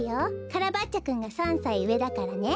カラバッチョくんが３さいうえだからね！